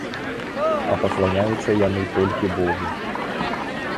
А пакланяюцца яны толькі богу.